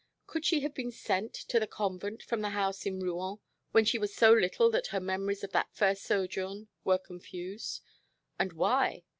Could she have been sent to a convent from the house in Rouen when she was so little that her memories of that first sojourn were confused? And why?